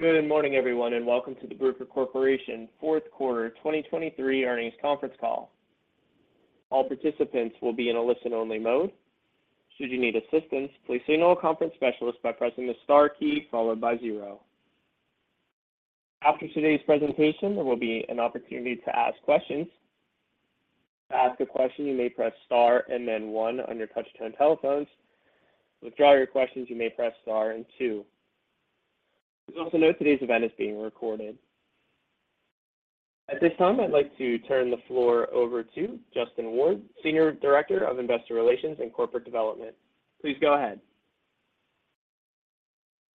Good morning, everyone, and welcome to the Bruker Corporation Fourth Quarter 2023 Earnings Conference Call. All participants will be in a listen-only mode. Should you need assistance, please signal a conference specialist by pressing the star key followed by zero. After today's presentation, there will be an opportunity to ask questions. To ask a question, you may press star and then one on your touchtone telephones. To withdraw your questions, you may press Star and two. Please also note today's event is being recorded. At this time, I'd like to turn the floor over to Justin Ward, Senior Director of Investor Relations and Corporate Development. Please go ahead.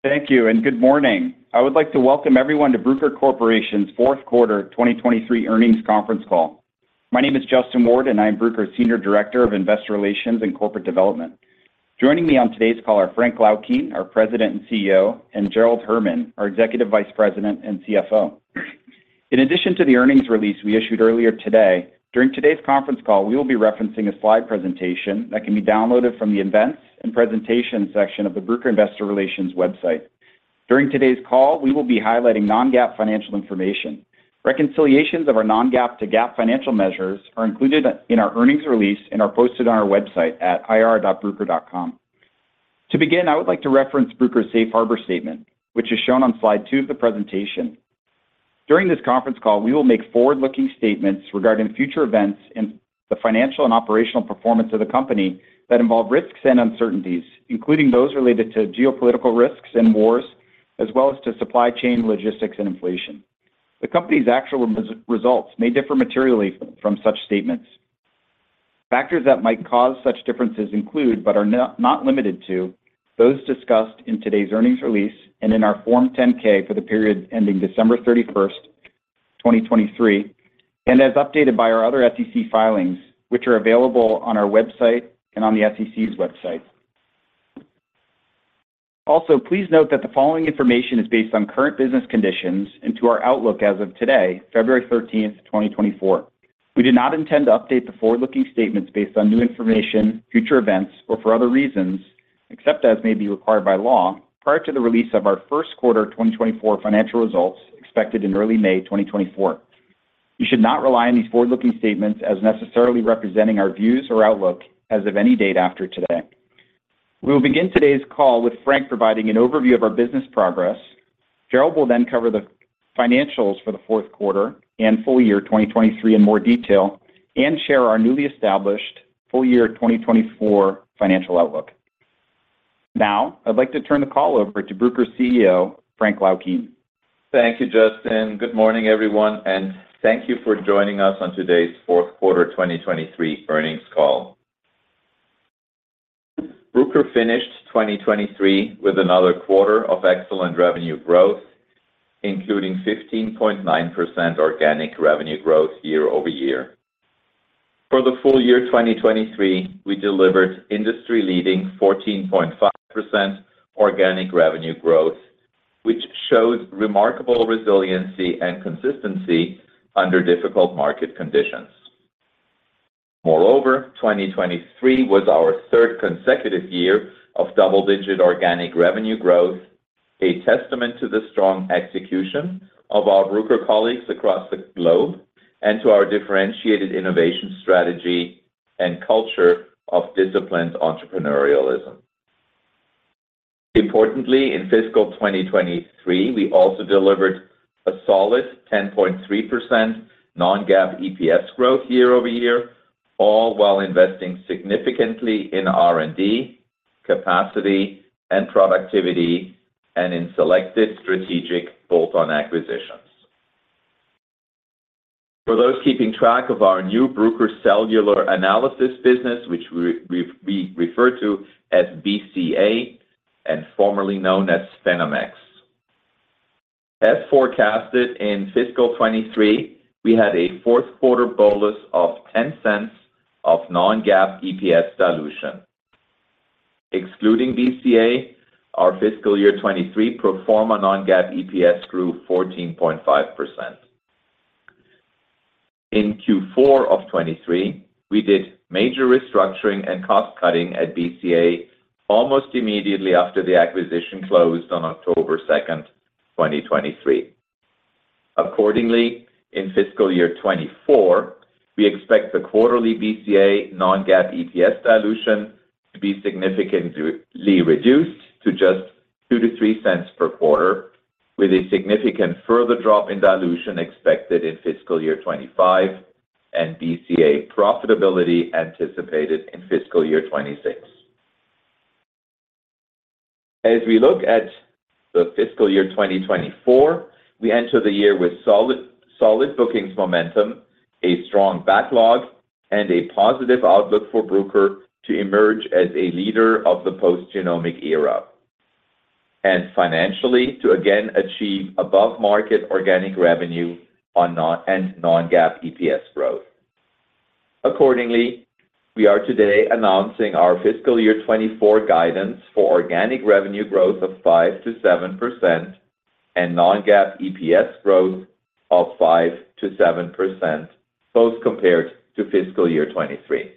Thank you and good morning. I would like to welcome everyone to Bruker Corporation's fourth quarter 2023 earnings conference call. My name is Justin Ward, and I'm Bruker's Senior Director of Investor Relations and Corporate Development. Joining me on today's call are Frank Laukien, our President and CEO, and Gerald Herman, our Executive Vice President and CFO. In addition to the earnings release we issued earlier today, during today's conference call, we will be referencing a slide presentation that can be downloaded from the Events and Presentation section of the Bruker Investor Relations website. During today's call, we will be highlighting non-GAAP financial information. Reconciliations of our non-GAAP to GAAP financial measures are included in our earnings release and are posted on our website at ir.bruker.com. To begin, I would like to reference Bruker's Safe Harbor statement, which is shown on slide 2 of the presentation. During this conference call, we will make forward-looking statements regarding future events and the financial and operational performance of the company that involve risks and uncertainties, including those related to geopolitical risks and wars, as well as to supply chain logistics and inflation. The company's actual results may differ materially from such statements. Factors that might cause such differences include, but are not limited to, those discussed in today's earnings release and in our Form 10-K for the period ending December 31, 2023, and as updated by our other SEC filings, which are available on our website and on the SEC's website. Also, please note that the following information is based on current business conditions and to our outlook as of today, February 13, 2024. We do not intend to update the forward-looking statements based on new information, future events, or for other reasons, except as may be required by law, prior to the release of our first quarter 2024 financial results expected in early May 2024. You should not rely on these forward-looking statements as necessarily representing our views or outlook as of any date after today. We will begin today's call with Frank providing an overview of our business progress. Gerald will then cover the financials for the fourth quarter and full year 2023 in more detail and share our newly established full year 2024 financial outlook. Now, I'd like to turn the call over to Bruker's CEO, Frank Laukien. Thank you, Justin. Good morning, everyone, and thank you for joining us on today's fourth quarter 2023 earnings call. Bruker finished 2023 with another quarter of excellent revenue growth, including 15.9% organic revenue growth year-over-year. For the full year 2023, we delivered industry-leading 14.5% organic revenue growth, which shows remarkable resiliency and consistency under difficult market conditions. Moreover, 2023 was our third consecutive year of double-digit organic revenue growth, a testament to the strong execution of our Bruker colleagues across the globe and to our differentiated innovation strategy and culture of disciplined entrepreneurialism. Importantly, in fiscal 2023, we also delivered a solid 10.3% non-GAAP EPS growth year-over-year, all while investing significantly in R&D, capacity and productivity, and in selected strategic bolt-on acquisitions. For those keeping track of our new Bruker Cellular Analysis business, which we refer to as BCA and formerly known as PhenomeX. As forecasted in fiscal 2023, we had a fourth quarter bolus of $0.10 of non-GAAP EPS dilution. Excluding BCA, our fiscal year 2023 pro forma non-GAAP EPS grew 14.5%. In Q4 of 2023, we did major restructuring and cost-cutting at BCA almost immediately after the acquisition closed on October 2, 2023. Accordingly, in fiscal year 2024, we expect the quarterly BCA non-GAAP EPS dilution to be significantly reduced to just $0.02-$0.03 per quarter, with a significant further drop in dilution expected in fiscal year 2025 and BCA profitability anticipated in fiscal year 2026. As we look at the fiscal year 2024, we enter the year with solid, solid bookings momentum, a strong backlog, and a positive outlook for Bruker to emerge as a leader of the post-genomic era, and financially, to again achieve above-market organic revenue on non- and non-GAAP EPS growth. Accordingly, we are today announcing our fiscal year 2024 guidance for organic revenue growth of 5%-7% and non-GAAP EPS growth of 5%-7%, both compared to fiscal year 2023.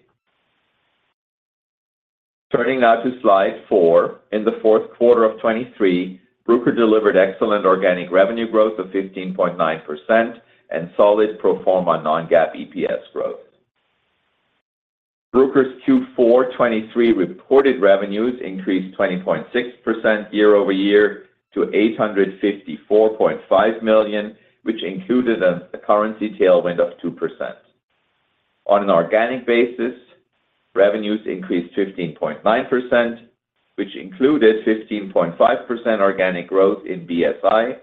Turning now to slide 4. In the fourth quarter of 2023, Bruker delivered excellent organic revenue growth of 15.9% and solid pro forma non-GAAP EPS growth. Bruker's Q4 2023 reported revenues increased 20.6% year-over-year to $854.5 million, which included a, a currency tailwind of 2%. On an organic basis, revenues increased 15.9%, which included 15.5% organic growth in BSI,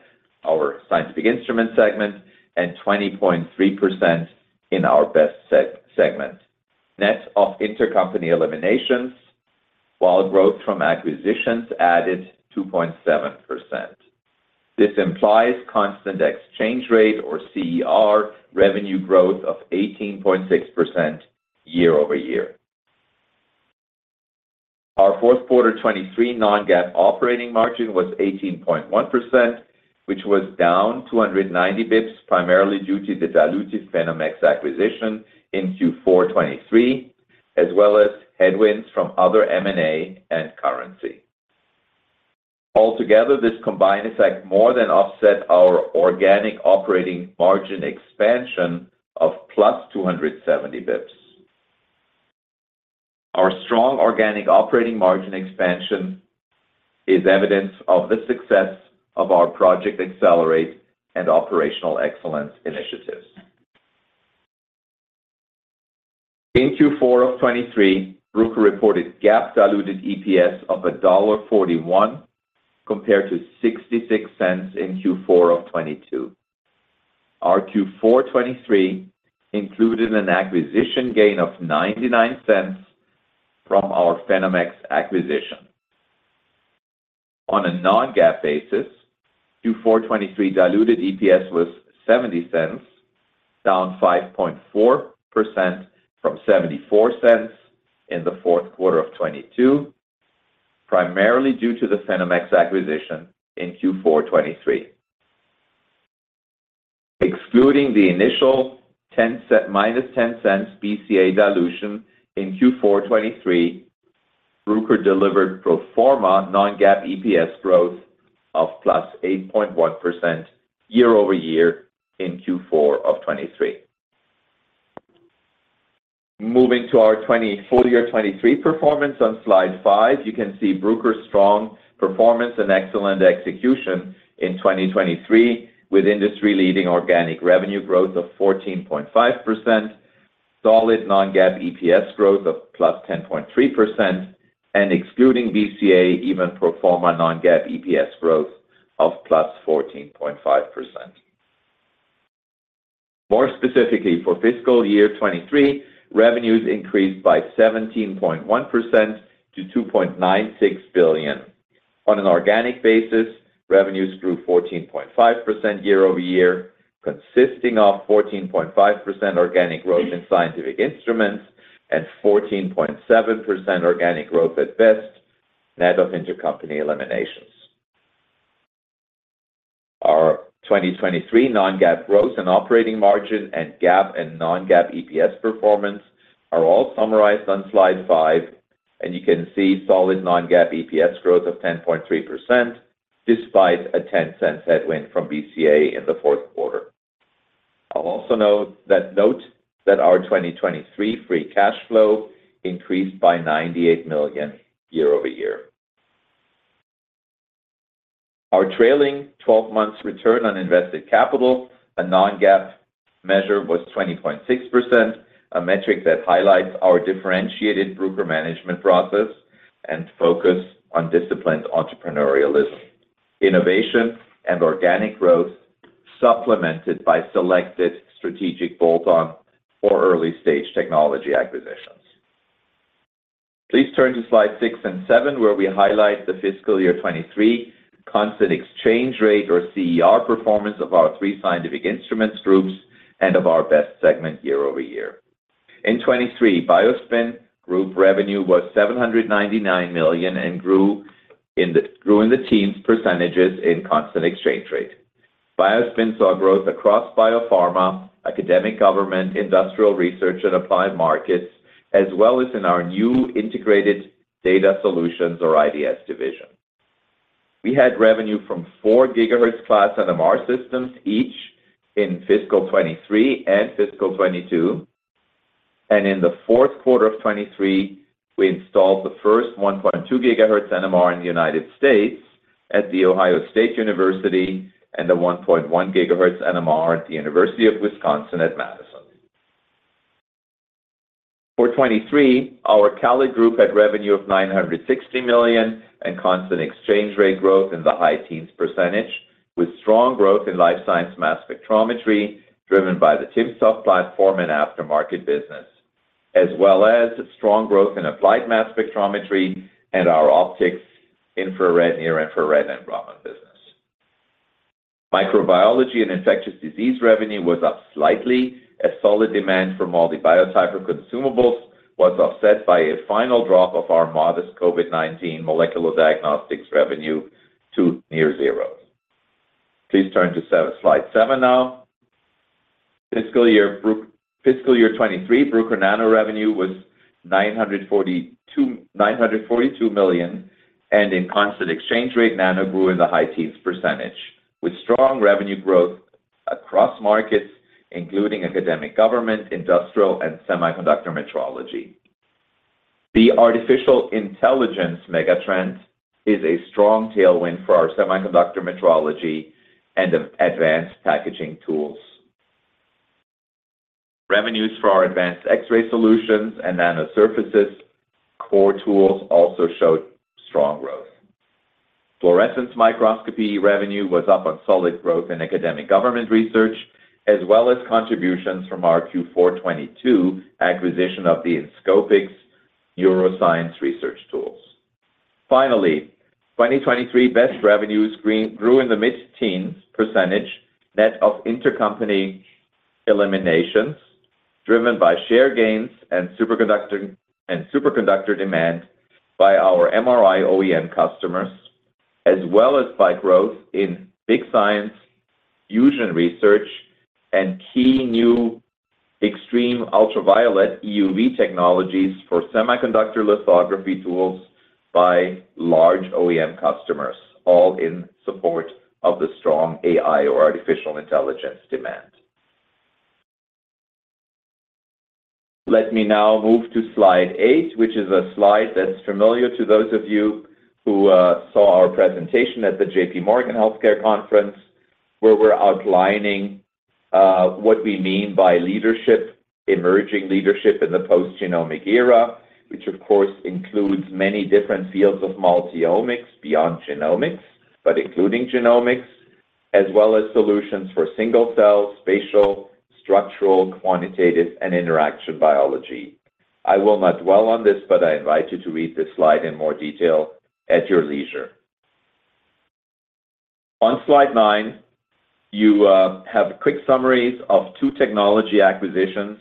our scientific instrument segment, and 20.3% in our BEST segment, net of intercompany eliminations, while growth from acquisitions added 2.7%. This implies constant exchange rate or CER revenue growth of 18.6% year-over-year. Our fourth quarter 2023 non-GAAP operating margin was 18.1%, which was down 290 basis points, primarily due to the dilutive PhenomeX acquisition in Q4 2023, as well as headwinds from other M&A and currency. Altogether, this combined effect more than offset our organic operating margin expansion of +270 basis points. Our strong organic operating margin expansion is evidence of the success of our Project Accelerate and Operational Excellence initiatives. In Q4 of 2023, Bruker reported GAAP diluted EPS of $1.41, compared to $0.66 in Q4 of 2022. Our Q4 2023 included an acquisition gain of $0.99 from our PhenomeX acquisition. On a non-GAAP basis, Q4 2023 diluted EPS was $0.70, down 5.4% from $0.74 in the fourth quarter of 2022, primarily due to the PhenomeX acquisition in Q4 2023. Excluding the initial minus $0.10 BCA dilution in Q4 2023, Bruker delivered pro forma non-GAAP EPS growth of +8.1% year-over-year in Q4 of 2023. Moving to our 2023 full year 2023 performance on Slide 5, you can see Bruker's strong performance and excellent execution in 2023, with industry-leading organic revenue growth of 14.5%, solid non-GAAP EPS growth of +10.3%, and excluding BCA, even pro forma non-GAAP EPS growth of +14.5%. More specifically, for fiscal year 2023, revenues increased by 17.1% to $2.96 billion. On an organic basis, revenues grew 14.5% year-over-year, consisting of 14.5% organic growth in scientific instruments and 14.7% organic growth at BEST, net of intercompany eliminations. Our 2023 non-GAAP growth and operating margin and GAAP and non-GAAP EPS performance are all summarized on slide 5, and you can see solid non-GAAP EPS growth of 10.3%, despite a $0.10 headwind from BCA in the fourth quarter. I'll also note that our 2023 free cash flow increased by $98 million year-over-year. Our trailing twelve months return on invested capital, a non-GAAP measure, was 20.6%, a metric that highlights our differentiated Bruker management process and focus on disciplined entrepreneurialism, innovation, and organic growth, supplemented by selected strategic bolt-on or early-stage technology acquisitions. Please turn to slides 6 and 7, where we highlight the fiscal year 2023 constant exchange rate, or CER, performance of our three scientific instruments groups and of our BEST segment year-over-year. In 2023, BioSpin group revenue was $799 million and grew in the teens % in constant exchange rate. BioSpin saw growth across biopharma, academic, government, industrial research, and applied markets, as well as in our new Integrated Data Solutions or IDS division. We had revenue from four GHz-class NMR systems, each in fiscal 2023 and fiscal 2022. In the fourth quarter of 2023, we installed the first 1.2 GHz NMR in the United States at the Ohio State University and the 1.1 GHz NMR at the University of Wisconsin at Madison. For 2023, our CALID group had revenue of $960 million and constant exchange rate growth in the high teens%, with strong growth in life science mass spectrometry, driven by the timsTOF platform and aftermarket business, as well as strong growth in applied mass spectrometry and our optics, infrared, near-infrared, and Raman business. Microbiology and infectious disease revenue was up slightly, as solid demand for MALDI Biotyper consumables was offset by a final drop of our modest COVID-19 molecular diagnostics revenue to near zero. Please turn to slide seven now. Fiscal year Bruker fiscal year 2023, Bruker Nano revenue was $942 million, and in constant exchange rate, Nano grew in the high teens%, with strong revenue growth across markets, including academic government, industrial, and semiconductor metrology. The artificial intelligence megatrend is a strong tailwind for our semiconductor metrology and of advanced packaging tools. Revenues for our Advanced X-ray Solutions and Nano Surfaces core tools also showed strong growth. Fluorescence microscopy revenue was up on solid growth in academic government research, as well as contributions from our Q4 2022 acquisition of the Inscopix neuroscience research tools. Finally, 2023 BEST revenues grew in the mid-teens% net of intercompany eliminations, driven by share gains and superconductor, and superconductor demand by our MRI OEM customers, as well as by growth in big science, fusion research, and key new extreme ultraviolet, EUV, technologies for semiconductor lithography tools by large OEM customers, all in support of the strong AI or artificial intelligence demand. Let me now move to slide 8, which is a slide that's familiar to those of you who saw our presentation at the J.P. Morgan Healthcare Conference, where we're outlining what we mean by leadership, emerging leadership in the post-genomic era, which of course, includes many different fields of multi-omics beyond genomics, but including genomics, as well as solutions for single-cell, spatial, structural, quantitative, and interaction biology. I will not dwell on this, but I invite you to read this slide in more detail at your leisure. On slide 9, you have quick summaries of two technology acquisitions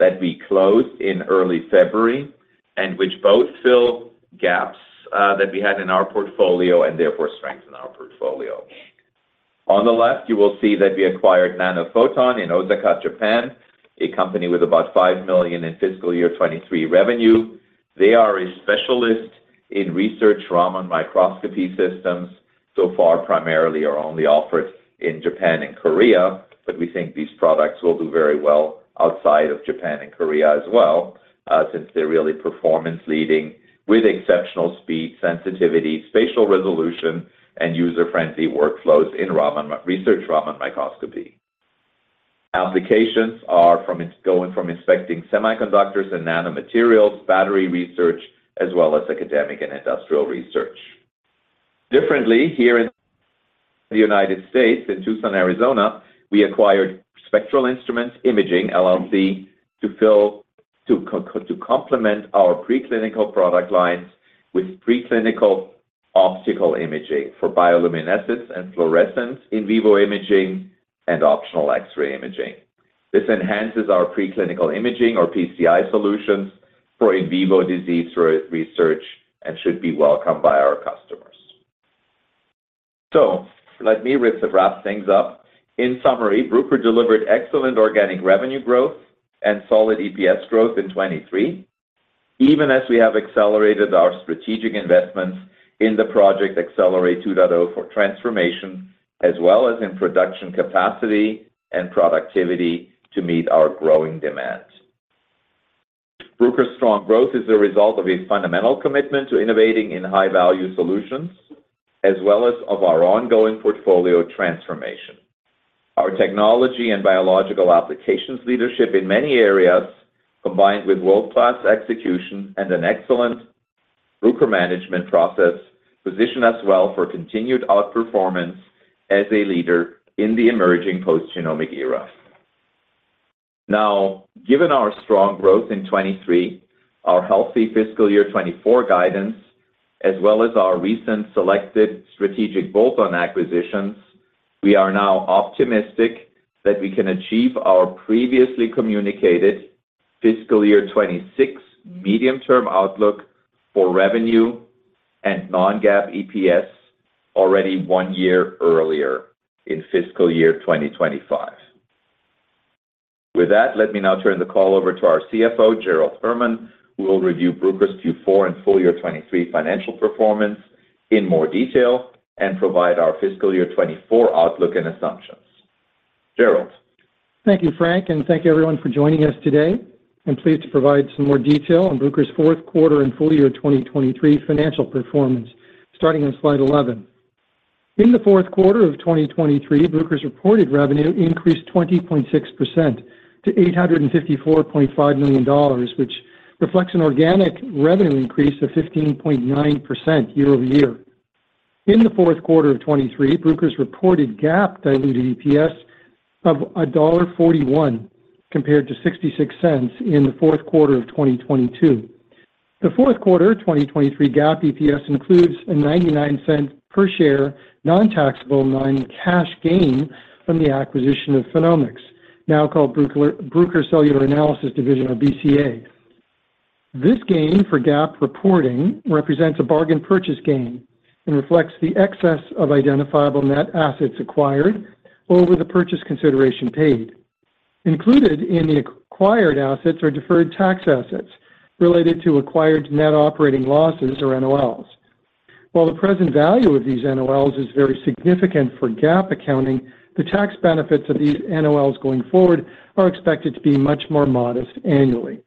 that we closed in early February, and which both fill gaps that we had in our portfolio and therefore strengthen our portfolio. On the left, you will see that we acquired Nanophoton in Osaka, Japan, a company with about $5 million in fiscal year 2023 revenue. They are a specialist in research Raman microscopy systems, so far, primarily are only offered in Japan and Korea, but we think these products will do very well outside of Japan and Korea as well, since they're really performance leading with exceptional speed, sensitivity, spatial resolution, and user-friendly workflows in Raman microscopy. Applications are from going from inspecting semiconductors and nanomaterials, battery research, as well as academic and industrial research. Differently, here in the United States, in Tucson, Arizona, we acquired Spectral Instruments Imaging LLC, to complement our preclinical product lines with preclinical optical imaging for bioluminescence and fluorescence in vivo imaging and optional X-ray imaging. This enhances our Preclinical Imaging or PCI solutions for in vivo disease research, and should be welcome by our customers. So let me wrap things up. In summary, Bruker delivered excellent organic revenue growth and solid EPS growth in 2023, even as we have accelerated our strategic investments in the Project Accelerate 2.0 for transformation, as well as in production capacity and productivity to meet our growing demand. Bruker's strong growth is a result of a fundamental commitment to innovating in high-value solutions, as well as of our ongoing portfolio transformation. Our technology and biological applications leadership in many areas, combined with world-class execution and an excellent Bruker management process, position us well for continued outperformance as a leader in the emerging post-genomic era. Now, given our strong growth in 2023, our healthy fiscal year 2024 guidance, as well as our recent selected strategic bolt-on acquisitions, we are now optimistic that we can achieve our previously communicated fiscal year 2026 medium-term outlook for revenue and non-GAAP EPS already one year earlier in fiscal year 2025. With that, let me now turn the call over to our CFO, Gerald Herman, who will review Bruker's Q4 and full year 2023 financial performance in more detail and provide our fiscal year 2024 outlook and assumptions. Gerald? Thank you, Frank, and thank you everyone for joining us today. I'm pleased to provide some more detail on Bruker's fourth quarter and full year 2023 financial performance, starting on slide 11. In the fourth quarter of 2023, Bruker's reported revenue increased 20.6% to $854.5 million, which reflects an organic revenue increase of 15.9% year-over-year. In the fourth quarter of 2023, Bruker's reported GAAP diluted EPS of $1.41, compared to $0.66 in the fourth quarter of 2022. The fourth quarter 2023 GAAP EPS includes a $0.99 per share, non-taxable non-cash gain from the acquisition of PhenomeX, now called Bruker Cellular Analysis division or BCA. This gain for GAAP reporting represents a bargain purchase gain and reflects the excess of identifiable net assets acquired over the purchase consideration paid. Included in the acquired assets are deferred tax assets related to acquired net operating losses, or NOLs. While the present value of these NOLs is very significant for GAAP accounting, the tax benefits of these NOLs going forward are expected to be much more modest annually.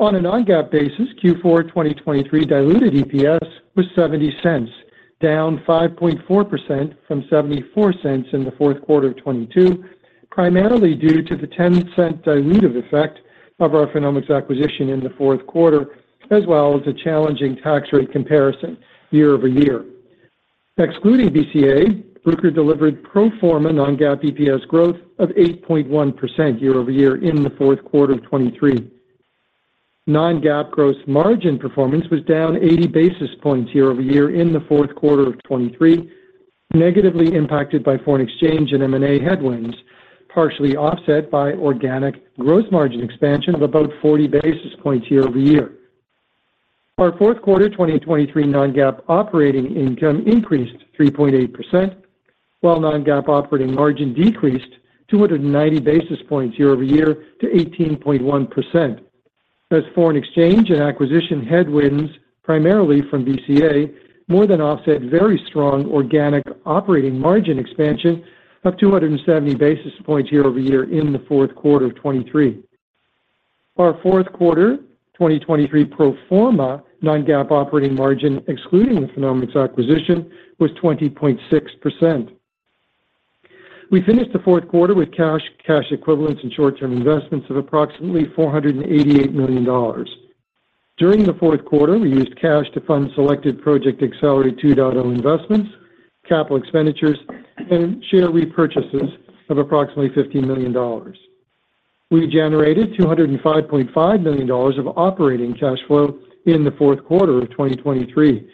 On a non-GAAP basis, Q4 2023 diluted EPS was $0.70, down 5.4% from $0.74 in the fourth quarter of 2022, primarily due to the $0.10 dilutive effect of our PhenomeX acquisition in the fourth quarter, as well as a challenging tax rate comparison year-over-year. Excluding BCA, Bruker delivered pro forma non-GAAP EPS growth of 8.1% year-over-year in the fourth quarter of 2023. Non-GAAP gross margin performance was down 80 basis points year-over-year in the fourth quarter of 2023, negatively impacted by foreign exchange and M&A headwinds, partially offset by organic gross margin expansion of about 40 basis points year-over-year. Our fourth quarter 2023 non-GAAP operating income increased 3.8%, while non-GAAP operating margin decreased 290 basis points year-over-year to 18.1%, as foreign exchange and acquisition headwinds, primarily from BCA, more than offset very strong organic operating margin expansion of 270 basis points year-over-year in the fourth quarter of 2023. Our fourth quarter 2023 pro forma non-GAAP operating margin, excluding the PhenomeX acquisition, was 20.6%. We finished the fourth quarter with cash, cash equivalents, and short-term investments of approximately $488 million. During the fourth quarter, we used cash to fund selected Project Accelerate 2.0 investments, capital expenditures, and share repurchases of approximately $15 million. We generated $205.5 million of operating cash flow in the fourth quarter of 2023.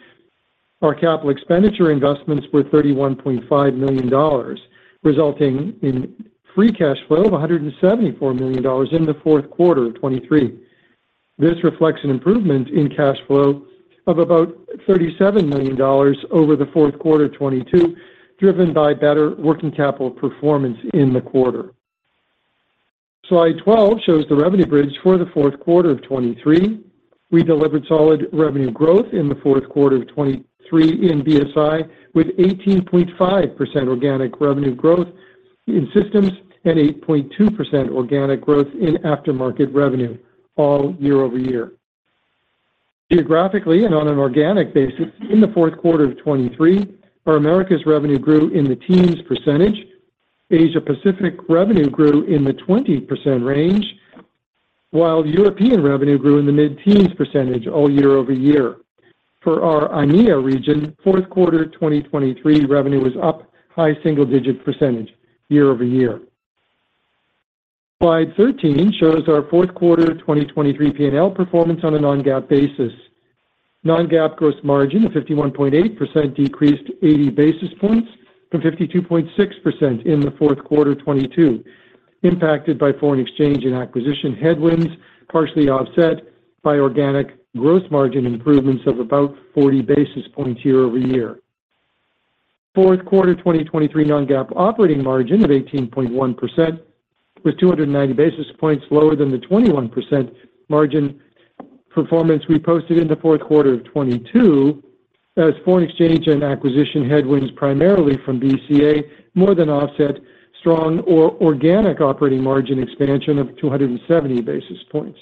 Our capital expenditure investments were $31.5 million, resulting in free cash flow of $174 million in the fourth quarter of 2023. This reflects an improvement in cash flow of about $37 million over the fourth quarter of 2022, driven by better working capital performance in the quarter. Slide 12 shows the revenue bridge for the fourth quarter of 2023. We delivered solid revenue growth in the fourth quarter of 2023 in BSI, with 18.5% organic revenue growth in systems and 8.2% organic growth in aftermarket revenue, all year-over-year. Geographically and on an organic basis, in the fourth quarter of 2023, our Americas revenue grew in the teens%. Asia-Pacific revenue grew in the 20% range, while European revenue grew in the mid-teens%, all year-over-year. For our IMEA region, fourth quarter 2023 revenue was up high single-digit% year-over-year. Slide 13 shows our fourth quarter 2023 P&L performance on a non-GAAP basis. Non-GAAP gross margin of 51.8% decreased 80 basis points from 52.6% in the fourth quarter of 2022, impacted by foreign exchange and acquisition headwinds, partially offset by organic gross margin improvements of about 40 basis points year-over-year. Fourth quarter 2023 non-GAAP operating margin of 18.1% was 290 basis points lower than the 21% margin performance we posted in the fourth quarter of 2022, as foreign exchange and acquisition headwinds, primarily from BCA, more than offset strong organic operating margin expansion of 270 basis points.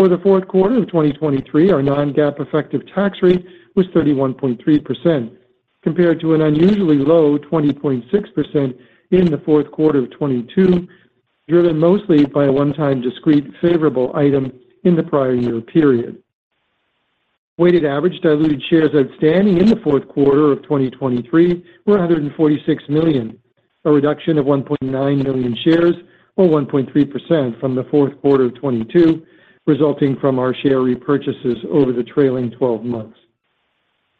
For the fourth quarter of 2023, our non-GAAP effective tax rate was 31.3%, compared to an unusually low 20.6% in the fourth quarter of 2022, driven mostly by a one-time discrete favorable item in the prior year period. Weighted average diluted shares outstanding in the fourth quarter of 2023 were 146 million, a reduction of 1.9 million shares or 1.3% from the fourth quarter of 2022, resulting from our share repurchases over the trailing twelve months.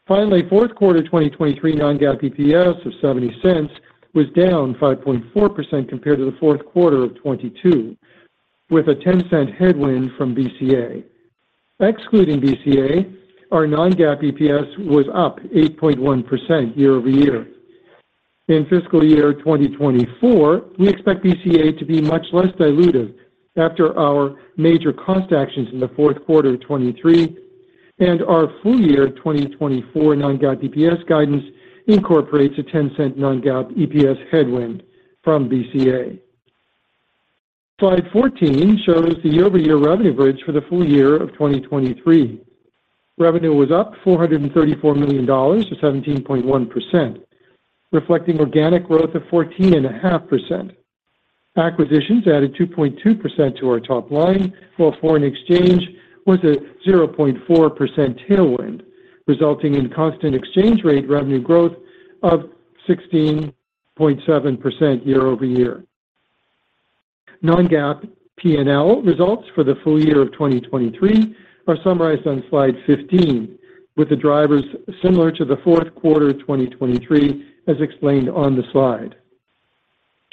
Finally, fourth quarter 2023 non-GAAP EPS of $0.70 was down 5.4% compared to the fourth quarter of 2022, with a $0.10 headwind from BCA. Excluding BCA, our non-GAAP EPS was up 8.1% year-over-year. In fiscal year 2024, we expect BCA to be much less dilutive after our major cost actions in the fourth quarter of 2023, and our full year 2024 non-GAAP EPS guidance incorporates a $0.10 non-GAAP EPS headwind from BCA. Slide 14 shows the year-over-year revenue bridge for the full year of 2023. Revenue was up $434 million to 17.1%, reflecting organic growth of 14.5%. Acquisitions added 2.2% to our top line, while foreign exchange was a 0.4% tailwind, resulting in constant exchange rate revenue growth of 16.7% year-over-year. Non-GAAP P&L results for the full year of 2023 are summarized on slide 15, with the drivers similar to the fourth quarter of 2023, as explained on the slide.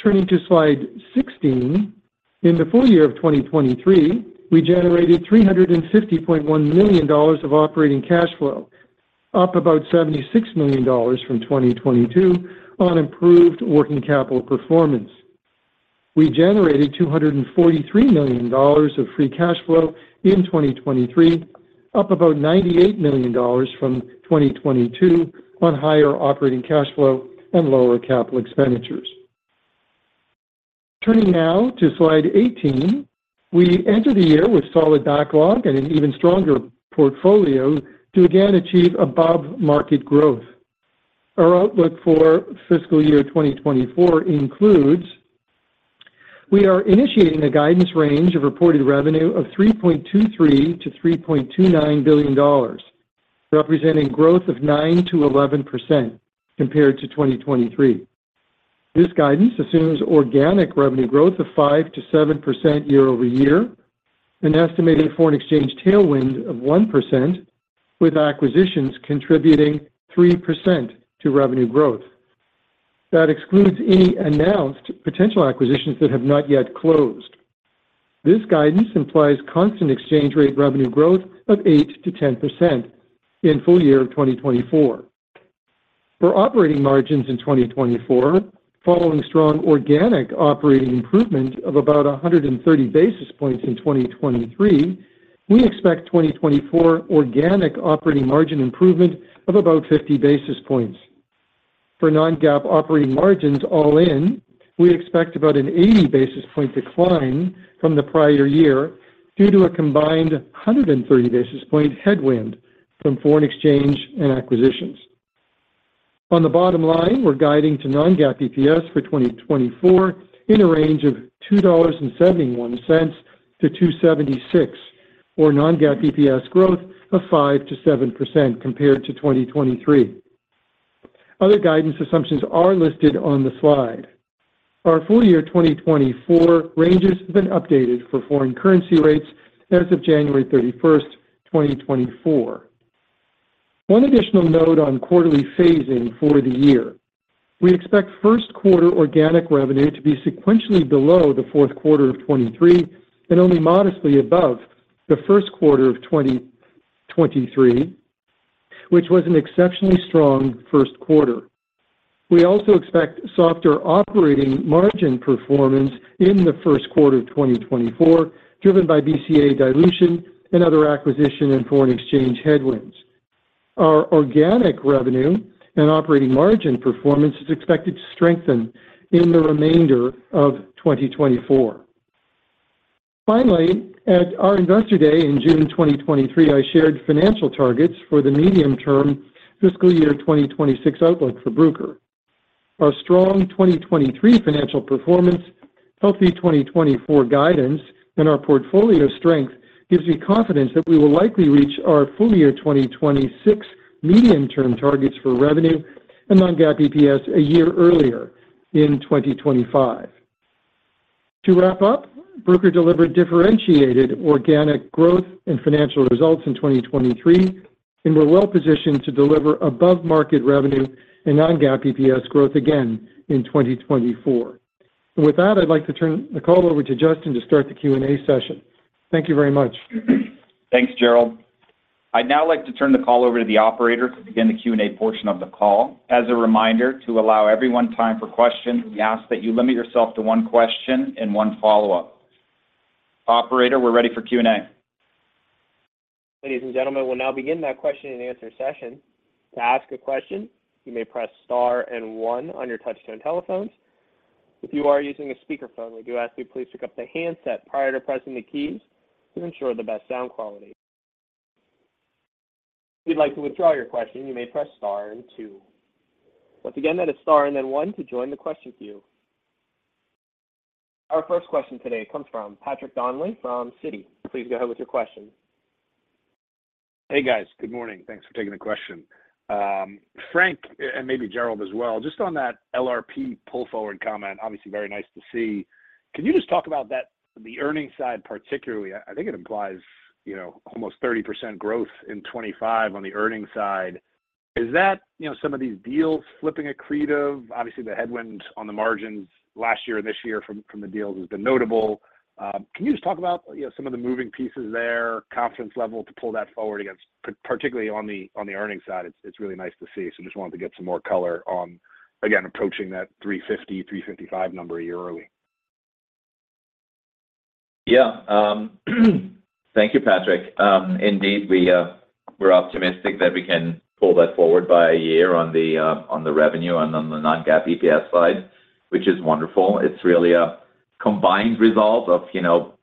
Turning to slide 16, in the full year of 2023, we generated $350.1 million of operating cash flow, up about $76 million from 2022 on improved working capital performance. We generated $243 million of free cash flow in 2023, up about $98 million from 2022 on higher operating cash flow and lower capital expenditures. Turning now to slide 18, we enter the year with solid backlog and an even stronger portfolio to again achieve above-market growth. Our outlook for fiscal year 2024 includes: we are initiating a guidance range of reported revenue of $3.23 billion-$3.29 billion, representing growth of 9%-11% compared to 2023. This guidance assumes organic revenue growth of 5%-7% year-over-year, an estimated foreign exchange tailwind of 1%, with acquisitions contributing 3% to revenue growth. That excludes any announced potential acquisitions that have not yet closed. This guidance implies constant exchange rate revenue growth of 8%-10% in full year of 2024. For operating margins in 2024, following strong organic operating improvement of about 130 basis points in 2023, we expect 2024 organic operating margin improvement of about 50 basis points. For non-GAAP operating margins all-in, we expect about an 80 basis points decline from the prior year, due to a combined 130 basis points headwind from foreign exchange and acquisitions. On the bottom line, we're guiding to non-GAAP EPS for 2024 in a range of $2.71-$2.76, or non-GAAP EPS growth of 5%-7% compared to 2023. Other guidance assumptions are listed on the slide. Our full year 2024 ranges have been updated for foreign currency rates as of January 31, 2024. One additional note on quarterly phasing for the year. We expect first quarter organic revenue to be sequentially below the fourth quarter of 2023, and only modestly above the first quarter of 2023, which was an exceptionally strong first quarter. We also expect softer operating margin performance in the first quarter of 2024, driven by BCA dilution and other acquisition and foreign exchange headwinds. Our organic revenue and operating margin performance is expected to strengthen in the remainder of 2024. Finally, at our Investor Day in June 2023, I shared financial targets for the medium-term fiscal year 2026 outlook for Bruker. Our strong 2023 financial performance, healthy 2024 guidance, and our portfolio strength gives me confidence that we will likely reach our full year 2026 medium-term targets for revenue and non-GAAP EPS a year earlier in 2025. To wrap up, Bruker delivered differentiated organic growth and financial results in 2023, and we're well positioned to deliver above-market revenue and non-GAAP EPS growth again in 2024. With that, I'd like to turn the call over to Justin to start the Q&A session. Thank you very much. Thanks, Gerald. I'd now like to turn the call over to the operator to begin the Q&A portion of the call. As a reminder, to allow everyone time for questions, we ask that you limit yourself to one question and one follow-up. Operator, we're ready for Q&A. Ladies and gentlemen, we'll now begin that question-and-answer session. To ask a question, you may press star and one on your touchtone telephones. If you are using a speakerphone, we do ask you please pick up the handset prior to pressing the keys to ensure the best sound quality. If you'd like to withdraw your question, you may press star and two. Once again, that is star and then one to join the question queue. Our first question today comes from Patrick Donnelly from Citi. Please go ahead with your question. Hey, guys. Good morning. Thanks for taking the question. Frank, and maybe Gerald as well, just on that LRP pull-forward comment, obviously very nice to see. Can you just talk about that, the earnings side particularly? I think it implies, you know, almost 30% growth in 2025 on the earnings side. Is that, you know, some of these deals slipping accretive? Obviously, the headwind on the margins last year and this year from the deals has been notable. Can you just talk about, you know, some of the moving pieces there, confidence level to pull that forward, particularly on the earnings side? It's really nice to see. So just wanted to get some more color on, again, approaching that $3.50-$3.55 number a year early. Yeah, thank you, Patrick. Indeed, we, we're optimistic that we can pull that forward by a year on the, on the revenue and on the non-GAAP EPS side, which is wonderful. It's really a combined result of, you know,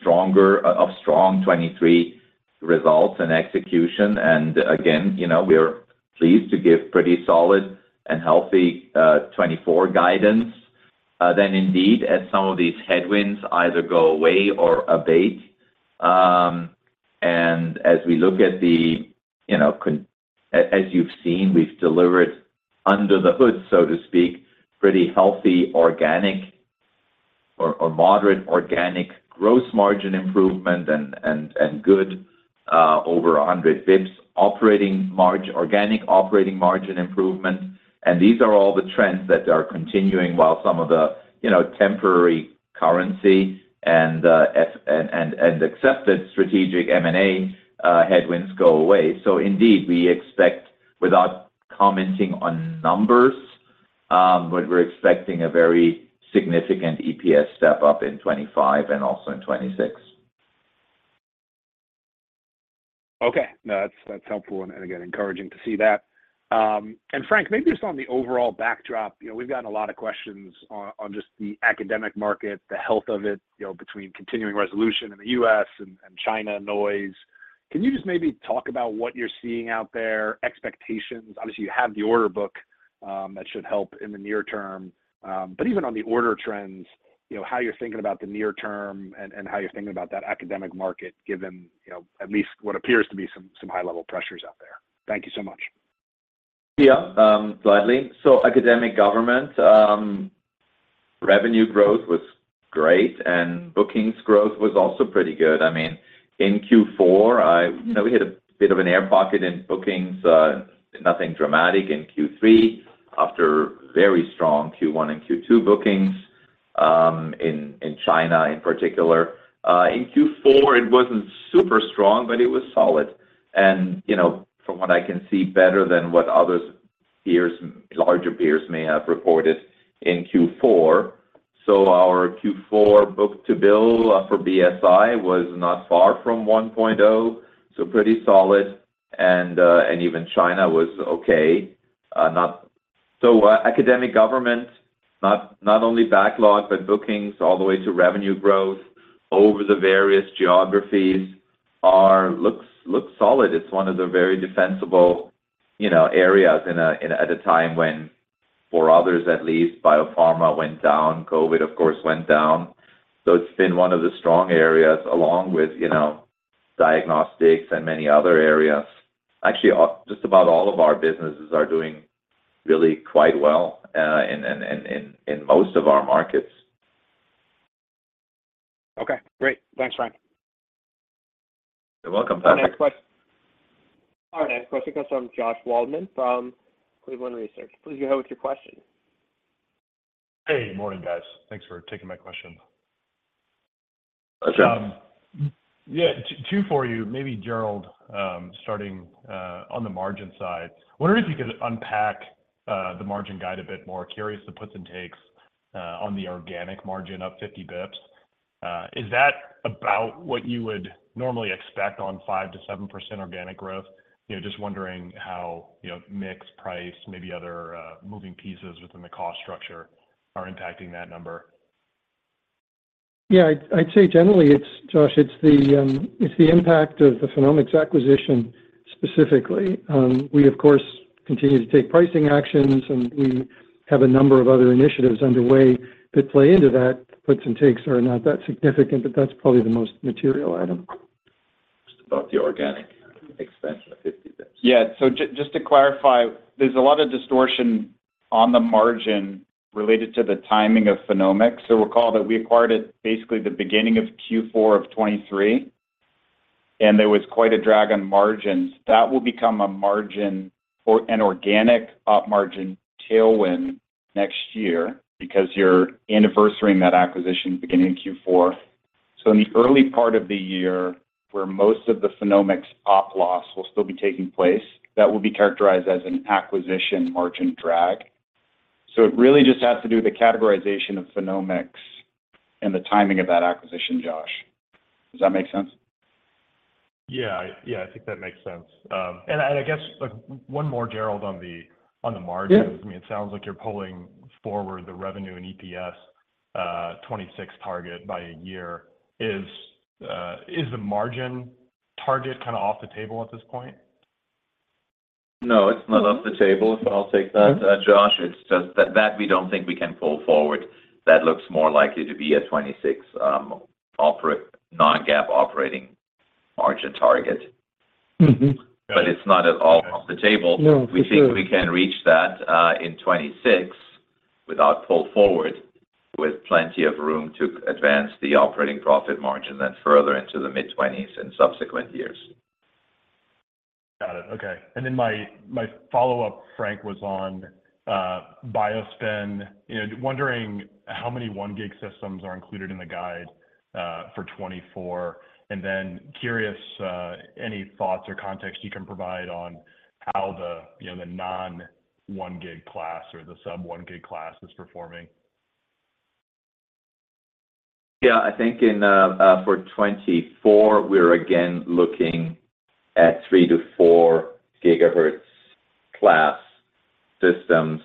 stronger, of strong 2023 results and execution. And again, you know, we're pleased to give pretty solid and healthy, twenty-four guidance. Then indeed, as some of these headwinds either go away or abate, and as we look at the, you know, as you've seen, we've delivered under the hood, so to speak, pretty healthy organic or moderate organic gross margin improvement and good, over 100 bps operating margin, organic operating margin improvement. And these are all the trends that are continuing, while some of the, you know, temporary currency and FX and exciting strategic M&A headwinds go away. So indeed, we expect, without commenting on numbers, but we're expecting a very significant EPS step-up in 2025 and also in 2026. Okay. No, that's helpful, and again, encouraging to see that. And Frank, maybe just on the overall backdrop, you know, we've gotten a lot of questions on just the academic market, the health of it, you know, between continuing resolution in the U.S. and China noise. Can you just maybe talk about what you're seeing out there, expectations? Obviously, you have the order book that should help in the near term. But even on the order trends, you know, how you're thinking about the near term and how you're thinking about that academic market, given, you know, at least what appears to be some high-level pressures out there. Thank you so much. Yeah, gladly. So academic government revenue growth was great, and bookings growth was also pretty good. I mean, in Q4, You know, we had a bit of an air pocket in bookings, nothing dramatic in Q3, after very strong Q1 and Q2 bookings, in, in China in particular. In Q4, it wasn't super strong, but it was solid. And, you know, from what I can see, better than what others peers, larger peers may have reported in Q4. So our Q4 book-to-bill, for BSI was not far from 1.0, so pretty solid, and, and even China was okay. So, academic government, not only backlog, but bookings all the way to revenue growth over the various geographies looks solid. It's one of the very defensible, you know, areas in a time when, for others, at least, biopharma went down, COVID, of course, went down. So it's been one of the strong areas along with, you know, diagnostics and many other areas. Actually, just about all of our businesses are doing really quite well in most of our markets. Okay, great. Thanks, Frank. You're welcome, Patrick. Our next question... Our next question comes from Josh Waldman from Cleveland Research. Please go ahead with your question. Hey, morning, guys. Thanks for taking my question. What's up? Yeah, two for you, maybe Gerald, starting on the margin side. Wondering if you could unpack the margin guide a bit more. Curious, the puts and takes on the organic margin up 50 basis points. Is that about what you would normally expect on 5%-7% organic growth? You know, just wondering how, you know, mix price, maybe other moving pieces within the cost structure are impacting that number. Yeah, I'd say generally, it's Josh, it's the impact of the PhenomeX acquisition, specifically. We, of course, continue to take pricing actions, and we have a number of other initiatives underway that play into that. Puts and takes are not that significant, but that's probably the most material item. Just about the organic expansion of 50 basis points. Yeah. So just to clarify, there's a lot of distortion on the margin related to the timing of PhenomeX. So recall that we acquired it basically the beginning of Q4 of 2023, and there was quite a drag on margins. That will become a margin for an organic op margin tailwind next year because you're anniversarying that acquisition beginning in Q4. So in the early part of the year, where most of the PhenomeX op loss will still be taking place, that will be characterized as an acquisition margin drag. So it really just has to do with the categorization of PhenomeX and the timing of that acquisition, Josh. Does that make sense? Yeah. Yeah, I think that makes sense. And, and I guess, like, one more, Gerald, on the, on the margins. Yeah. I mean, it sounds like you're pulling forward the revenue and EPS, 26 target by a year. Is the margin target kinda off the table at this point? No, it's not off the table. I'll take that, Josh. Okay. It's just that we don't think we can pull forward. That looks more likely to be a 26% non-GAAP operating margin target. Mm-hmm. Got it. But it's not at all off the table. We think we can reach that in 2026 without pull forward, with plenty of room to advance the operating profit margin, then further into the mid-20s in subsequent years. Got it. Okay. And then my, my follow-up, Frank, was on BioSpin. You know, wondering how many 1 gig systems are included in the guide for 2024. And then curious, any thoughts or context you can provide on how the, you know, the non-1 gig class or the sub-1 gig class is performing? Yeah, I think in 2024, we're again looking at 3-4 gigahertz class systems.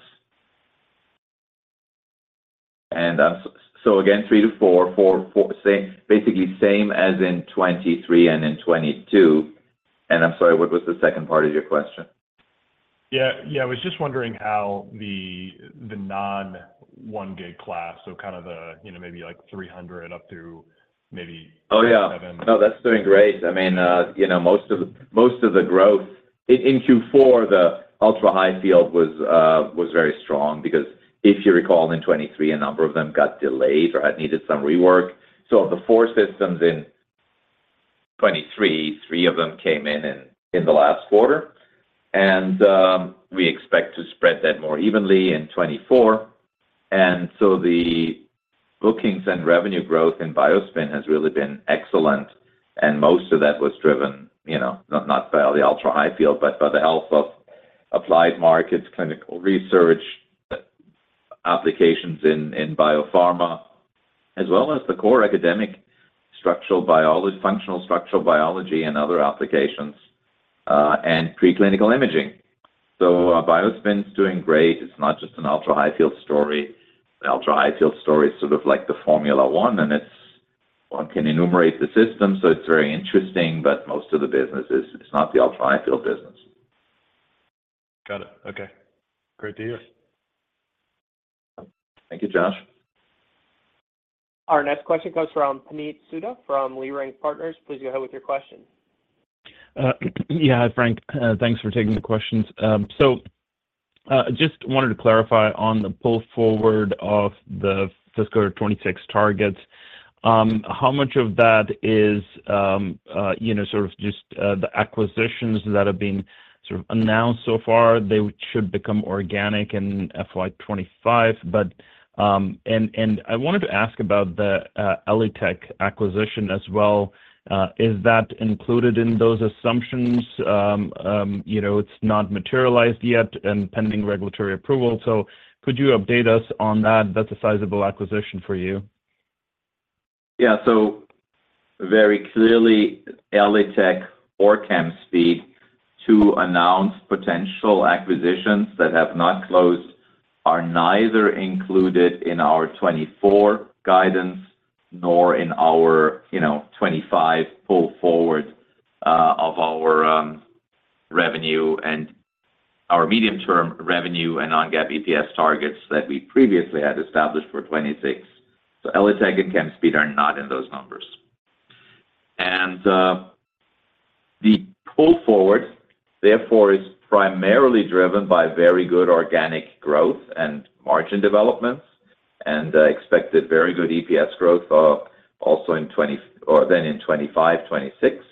And I'm so again, 3-4, 4, 4, same, basically same as in 2023 and in 2022. And I'm sorry, what was the second part of your question? Yeah, yeah, I was just wondering how the non-one gig class, so kind of the, you know, maybe like 300 up to maybe- Oh, yeah... seven. No, that's doing great. I mean, you know, most of the growth. In Q4, the ultra-high field was very strong because if you recall, in 2023, a number of them got delayed or had needed some rework. So of the four systems in 2023, 3 of them came in the last quarter, and we expect to spread that more evenly in 2024. And so the bookings and revenue growth in BioSpin has really been excellent, and most of that was driven, you know, not by the ultra-high field, but by the health of applied markets, clinical research, applications in biopharma, as well as the core academic structural biology, functional structural biology and other applications, and Preclinical Imaging. So BioSpin's doing great. It's not just an ultra-high field story. The ultra-high field story is sort of like the Formula One, and it's... One can enumerate the system, so it's very interesting, but most of the business is. It's not the ultra-high field business. Got it. Okay. Great to hear. Thank you, Josh. Our next question comes from Puneet Souda from Leerink Partners. Please go ahead with your question. Yeah, Frank, thanks for taking the questions. So, just wanted to clarify on the pull forward of the fiscal 2026 targets, how much of that is, you know, sort of just the acquisitions that have been sort of announced so far? They should become organic in FY 2025. But, and I wanted to ask about the ELITech acquisition as well. Is that included in those assumptions? You know, it's not materialized yet and pending regulatory approval, so could you update us on that? That's a sizable acquisition for you. Yeah. So very clearly, ELITech or Chemspeed, two announced potential acquisitions that have not closed, are neither included in our 2024 guidance, nor in our, you know, 2025 pull forward, of our, revenue and our medium-term revenue and non-GAAP EPS targets that we previously had established for 2026. So ELITech and Chemspeed are not in those numbers. And, the pull forward, therefore, is primarily driven by very good organic growth and margin developments, and, expected very good EPS growth, also in then in 2025, 2026,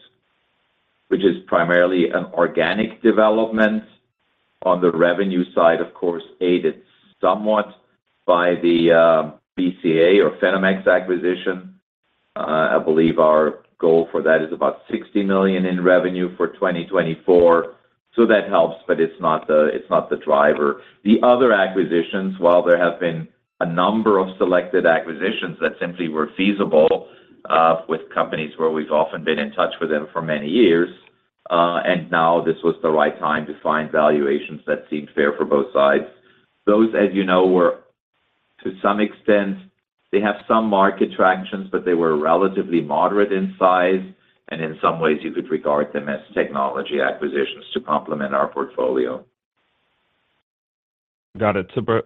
which is primarily an organic development on the revenue side, of course, aided somewhat by the, BCA or PhenomeX acquisition. I believe our goal for that is about $60 million in revenue for 2024, so that helps, but it's not the, it's not the driver. The other acquisitions, while there have been a number of selected acquisitions that simply were feasible, with companies where we've often been in touch with them for many years, and now this was the right time to find valuations that seemed fair for both sides. Those, as you know, were, to some extent, they have some market tractions, but they were relatively moderate in size, and in some ways, you could regard them as technology acquisitions to complement our portfolio. Got it. Super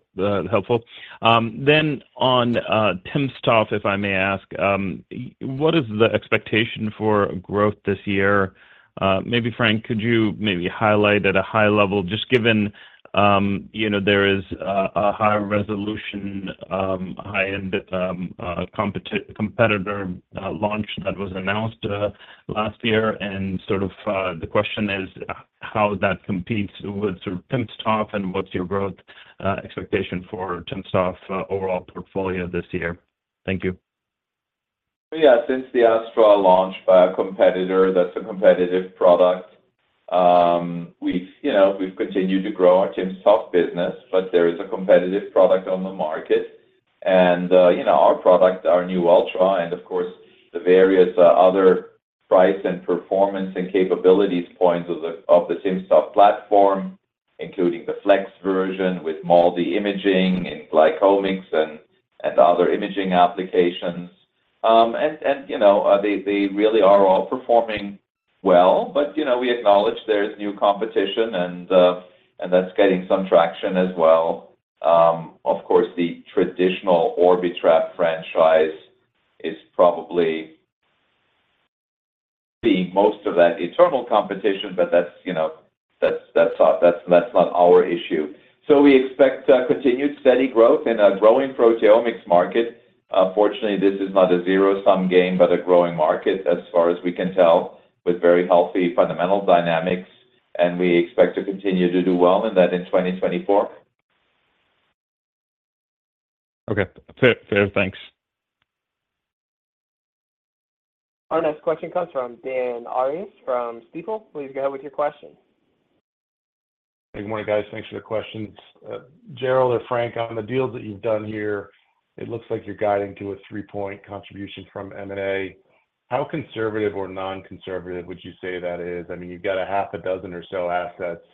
helpful. Then on timsTOF, if I may ask, what is the expectation for growth this year? Maybe Frank, could you maybe highlight at a high level, just given you know there is a high resolution high-end competitor launch that was announced last year. And sort of the question is: how that competes with sort of timsTOF, and what's your growth expectation for timsTOF overall portfolio this year? Thank you. Yeah. Since the Astral launch by a competitor, that's a competitive product, we've, you know, we've continued to grow our timsTOF business, but there is a competitive product on the market. And, you know, our product, our new Ultra, and of course, the various, other price and performance and capabilities points of the, of the timsTOF platform, including the fleX version with MALDI imaging and glycomics and, and other imaging applications. And, and, you know, they, they really are all performing well, but, you know, we acknowledge there's new competition and, and that's getting some traction as well. Of course, the traditional Orbitrap franchise is probably seeing most of that internal competition, but that's, you know, that's, that's, that's, that's not our issue. So we expect, continued steady growth in a growing proteomics market. Unfortunately, this is not a zero-sum game, but a growing market as far as we can tell, with very healthy fundamental dynamics, and we expect to continue to do well in that in 2024. Okay. Fair, fair. Thanks. Our next question comes from Dan Arias from Stifel. Please go ahead with your question. Good morning, guys. Thanks for the questions. Gerald or Frank, on the deals that you've done here, it looks like you're guiding to a 3-point contribution from M&A. How conservative or non-conservative would you say that is? I mean, you've got a half a dozen or so assets.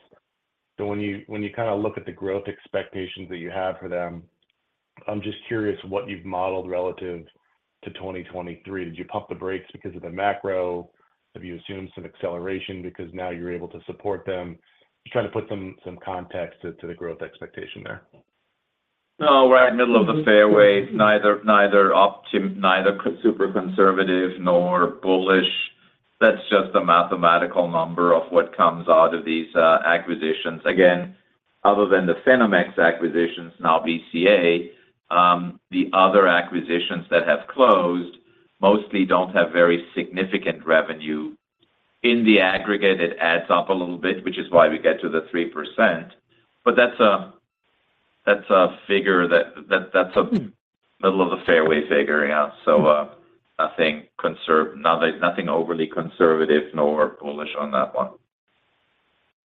So when you, when you kinda look at the growth expectations that you have for them, I'm just curious what you've modeled relative to 2023. Did you pump the brakes because of the macro? Have you assumed some acceleration because now you're able to support them? Just trying to put some, some context to, to the growth expectation there. No, we're at middle of the fairway, neither super conservative nor bullish. That's just a mathematical number of what comes out of these acquisitions. Again, other than the PhenomeX acquisition, now BCA, the other acquisitions that have closed mostly don't have very significant revenue. In the aggregate, it adds up a little bit, which is why we get to the 3%, but that's a figure that's a middle of the fairway figure, yeah. So, nothing overly conservative nor bullish on that one.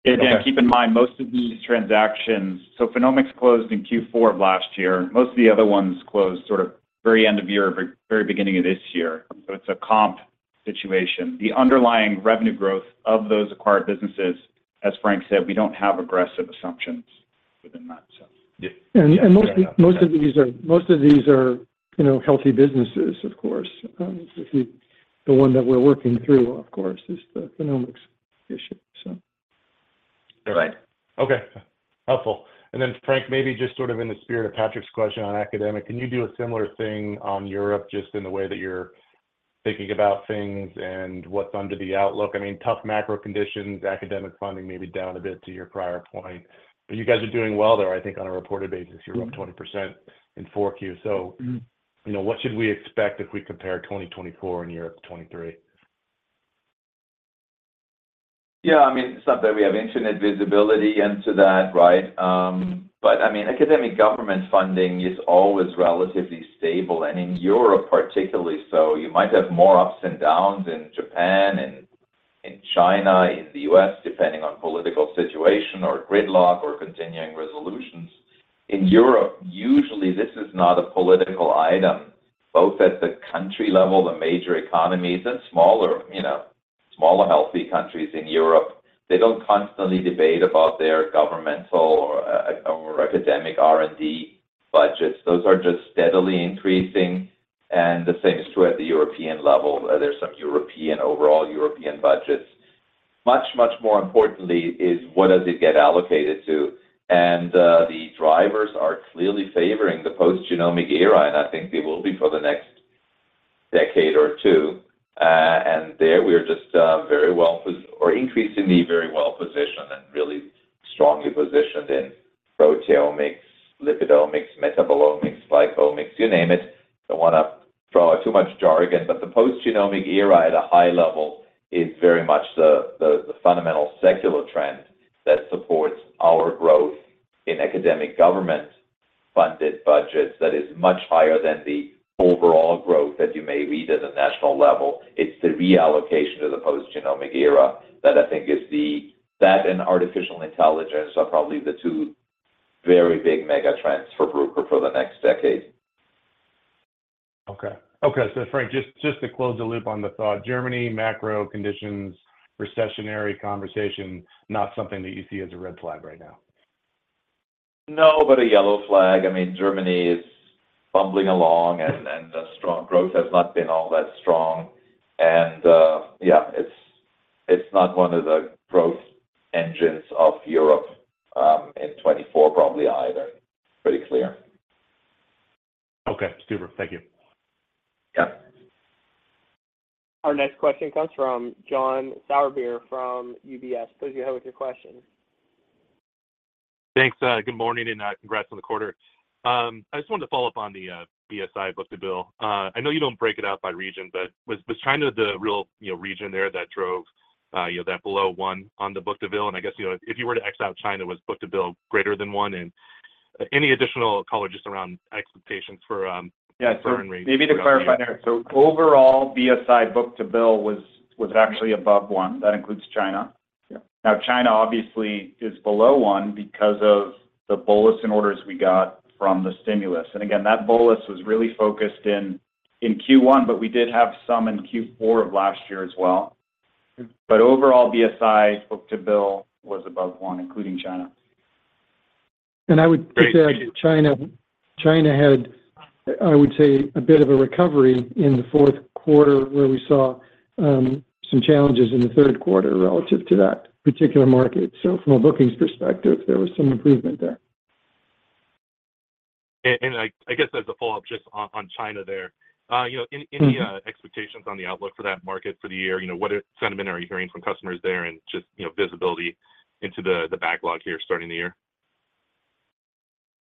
Again, keep in mind, most of these transactions, so PhenomeX closed in Q4 of last year. Most of the other ones closed sort of very end of year or very beginning of this year. So it's a comp situation. The underlying revenue growth of those acquired businesses, as Frank said, we don't have aggressive assumptions within that, so yeah. Most of these are, you know, healthy businesses, of course. The one that we're working through, of course, is the PhenomeX issue, so. You're right. Okay, helpful. And then, Frank, maybe just sort of in the spirit of Patrick's question on academic, can you do a similar thing on Europe, just in the way that you're thinking about things and what's under the outlook? I mean, tough macro conditions, academic funding may be down a bit to your prior point, but you guys are doing well there. I think on a reported basis, you're up 20% in Q4. So, you know, what should we expect if we compare 2024 in Europe to 2023? Yeah, I mean, it's not that we have infinite visibility into that, right? But I mean, academic government funding is always relatively stable, and in Europe, particularly so. You might have more ups and downs in Japan and in China, in the U.S., depending on political situation or gridlock or continuing resolutions. In Europe, usually, this is not a political item, both at the country level, the major economies and smaller, you know, smaller, healthy countries in Europe. They don't constantly debate about their governmental or academic R&D budgets. Those are just steadily increasing, and the same is true at the European level. There's some European, overall European budgets. Much, much more importantly is what does it get allocated to? And, the drivers are clearly favoring the post-genomic era, and I think they will be for the next decade or two. And there we are just very well positioned or increasingly very well positioned and really strongly positioned in proteomics, lipidomics, metabolomics, glycomics, you name it. Don't wanna draw too much jargon, but the post-genomic era at a high level is very much the fundamental secular trend that supports our growth in academic government-funded budgets that is much higher than the overall growth that you may read at a national level. It's the reallocation to the post-genomic era that I think is the... That and artificial intelligence are probably the two very big mega trends for Bruker for the next decade. Okay. Okay, so Frank, just, just to close the loop on the thought, Germany, macro conditions, recessionary conversation, not something that you see as a red flag right now? No, but a yellow flag. I mean, Germany is bumbling along, and the strong growth has not been all that strong. And, yeah, it's not one of the growth engines of Europe, in 2024, probably either. Pretty clear. Okay, super. Thank you. Yeah. Our next question comes from John Sourbeer, from UBS. Please go ahead with your question. Thanks, good morning, and congrats on the quarter. I just wanted to follow up on the BSI book-to-bill. I know you don't break it out by region, but was China the real, you know, region there that drove you know that below 1 on the book-to-bill? And I guess, you know, if you were to X out China, was book-to-bill greater than 1? And any additional color just around expectations for Yeah, so maybe to clarify there, so overall, BSI book-to-bill was actually above 1. That includes China. Yeah. Now, China obviously is below one because of the bolus in orders we got from the stimulus. Again, that bolus was really focused in Q1, but we did have some in Q4 of last year as well. But overall, BSI book-to-bill was above one, including China. I would say China, China had, I would say, a bit of a recovery in the fourth quarter, where we saw some challenges in the third quarter relative to that particular market. So from a bookings perspective, there was some improvement there. I guess as a follow-up, just on China there, you know, any expectations on the outlook for that market for the year? You know, what sentiment are you hearing from customers there and just, you know, visibility into the backlog here starting the year?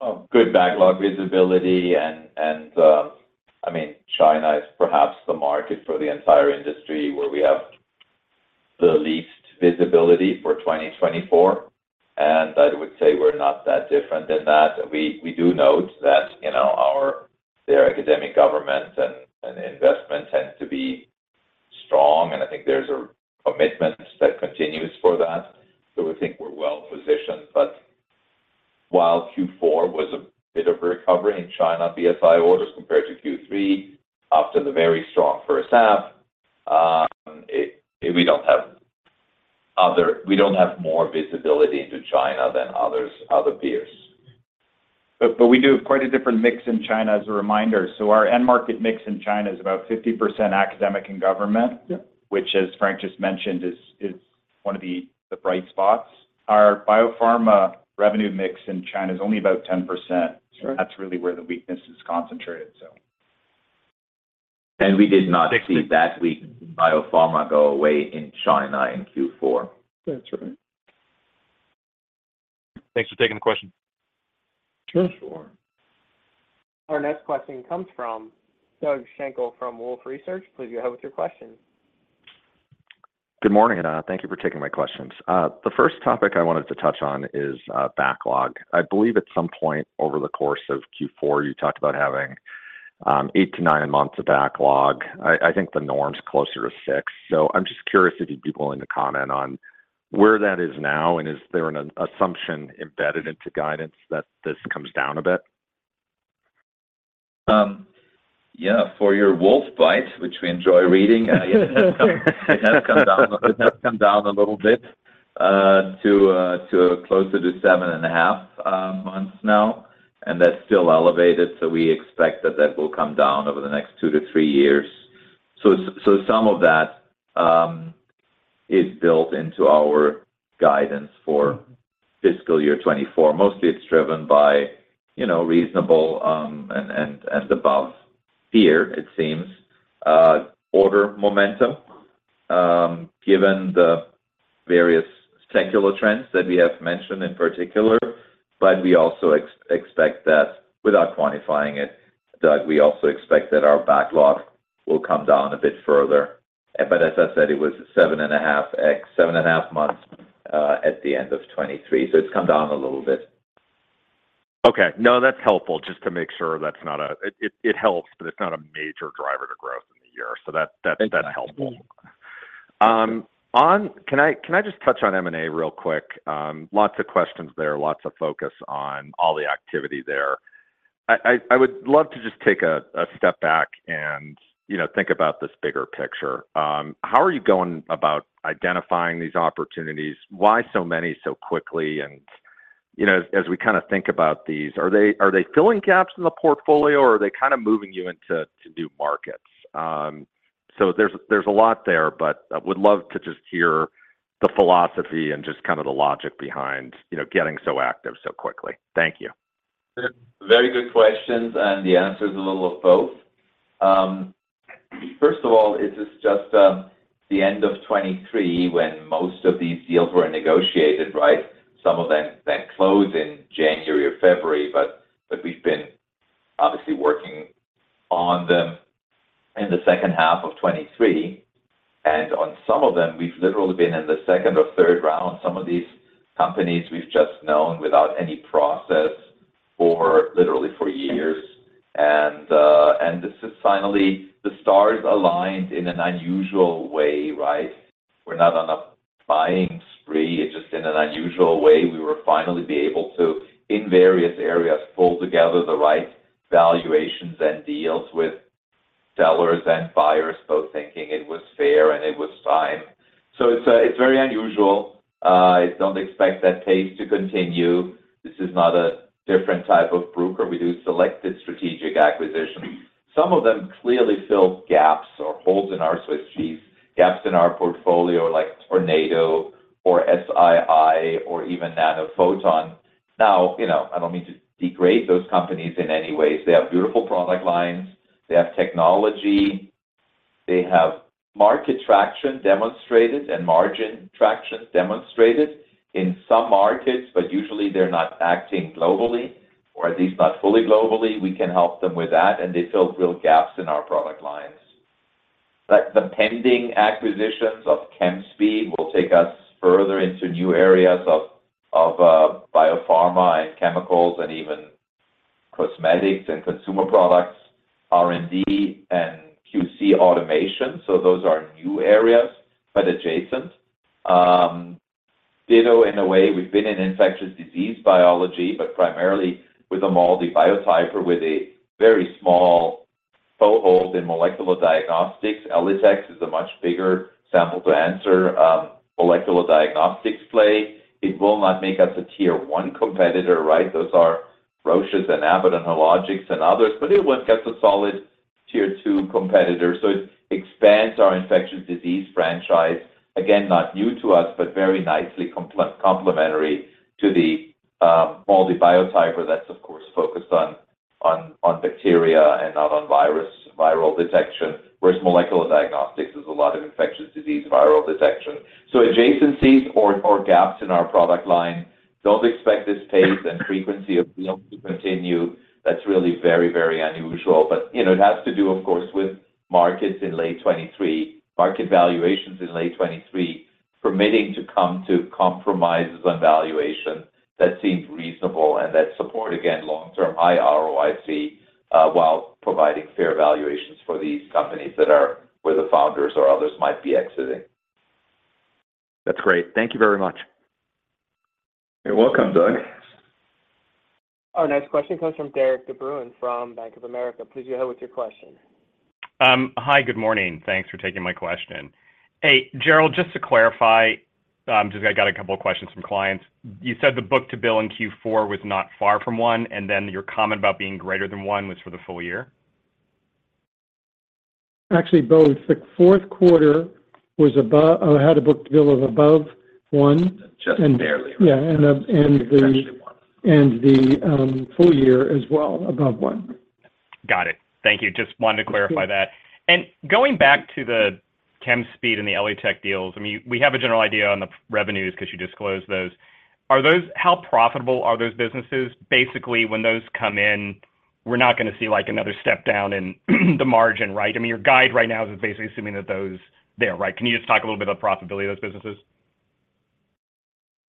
Oh, good backlog visibility. And, I mean, China is perhaps the market for the entire industry where we have the least visibility for 2024, and I would say we're not that different than that. We, we do note that, you know, our—their academic government and investment tend to be strong, and I think there's a commitment that continues for that. So we think we're well positioned. But while Q4 was a bit of a recovery in China, BSI orders compared to Q3, after the very strong first half, it—we don't have other—we don't have more visibility into China than others, other peers. But we do have quite a different mix in China as a reminder. So our end market mix in China is about 50% academic and government- Yeah... which, as Frank just mentioned, is one of the bright spots. Our biopharma revenue mix in China is only about 10%. Sure. That's really where the weakness is concentrated, so. We did not see that weakness in biopharma go away in China in Q4. That's right. Thanks for taking the question. Sure. Our next question comes from Doug Schenkel from Wolfe Research. Please go ahead with your question. Good morning, and, thank you for taking my questions. The first topic I wanted to touch on is, backlog. I believe at some point over the course of Q4, you talked about having, 8-9 months of backlog. I think the norm's closer to 6. So I'm just curious if you'd be willing to comment on where that is now, and is there an assumption embedded into guidance that this comes down a bit? Yeah, for your Wolfe Bytes, which we enjoy reading, yeah, it has come down a little bit to closer to 7.5 months now, and that's still elevated, so we expect that that will come down over the next 2-3 years. So some of that is built into our guidance for fiscal year 2024. Mostly, it's driven by, you know, reasonable and above fair, it seems, order momentum given the various secular trends that we have mentioned in particular. But we also expect that, without quantifying it, Doug, we also expect that our backlog will come down a bit further. But as I said, it was 7.5 months at the end of 2023, so it's come down a little bit. Okay. No, that's helpful, just to make sure that's not a... It helps, but it's not a major driver to growth in the year. So that's- Thank you. That's helpful. On, can I just touch on M&A real quick? Lots of questions there, lots of focus on all the activity there. I would love to just take a step back and, you know, think about this bigger picture. How are you going about identifying these opportunities? Why so many so quickly? And, you know, as we kind of think about these, are they filling gaps in the portfolio, or are they kind of moving you into new markets? So there's a lot there, but I would love to just hear the philosophy and just kind of the logic behind, you know, getting so active so quickly. Thank you. Very good questions, and the answer is a little of both. First of all, it is just the end of 2023 when most of these deals were negotiated, right? Some of them then close in January or February, but we've been obviously working on them in the second half of 2023, and on some of them, we've literally been in the second or third round. Some of these companies we've just known without any process for literally years. And this is finally the stars aligned in an unusual way, right? We're not on a buying spree. It's just in an unusual way, we were finally be able to, in various areas, pull together the right valuations and deals with sellers and buyers, both thinking it was fair and it was time. So it's, it's very unusual. I don't expect that pace to continue. This is not a different type of Bruker. We do selected strategic acquisitions. Some of them clearly fill gaps or holes in our Swiss cheese, gaps in our portfolio, like Tornado or SII or even Nanophoton. Now, you know, I don't mean to degrade those companies in any way. They have beautiful product lines. They have technology. They have market traction demonstrated and margin traction demonstrated in some markets, but usually, they're not acting globally, or at least not fully globally. We can help them with that, and they fill real gaps in our product lines. Like, the pending acquisitions of Chemspeed will take us further into new areas of biopharma and chemicals and even cosmetics and consumer products, R&D, and QC automation. So those are new areas, but adjacent. Ditto, in a way, we've been in infectious disease biology, but primarily with a MALDI Biotyper, with a very small foothold in molecular diagnostics. ELITechGroup is a much bigger sample-to-answer, molecular diagnostics play. It will not make us a tier one competitor, right? Those are Roche and Abbott and Hologic and others, but it will get a solid tier two competitor. So it expands our infectious disease franchise. Again, not new to us, but very nicely complementary to the, MALDI Biotyper that's of course, focused on, on, on bacteria and not on virus, viral detection, whereas molecular diagnostics is a lot of infectious disease, viral detection. So adjacencies or, or gaps in our product line, don't expect this pace and frequency of deals to continue. That's really very, very unusual. But, you know, it has to do, of course, with markets in late 2023, market valuations in late 2023, permitting to come to compromises on valuation that seems reasonable and that support, again, long-term high ROIC, while providing fair valuations for these companies that are, where the founders or others might be exiting. That's great. Thank you very much. You're welcome, Doug. Our next question comes from Derik De Bruin from Bank of America. Please go ahead with your question. Hi, good morning. Thanks for taking my question. Hey, Gerald, just to clarify, just I got a couple of questions from clients. You said the book-to-bill in Q4 was not far from one, and then your comment about being greater than one was for the full year?... Actually both. The fourth quarter was above, had a book-to-bill of above one. Yeah, and the- The full year as well, above one. Got it. Thank you. Just wanted to clarify that. Sure. Going back to the Chemspeed and the ELITech deals, I mean, we have a general idea on the revenues because you disclosed those. Are those? How profitable are those businesses? Basically, when those come in, we're not gonna see, like, another step down in the margin, right? I mean, your guide right now is basically assuming that those there, right? Can you just talk a little bit about the profitability of those businesses?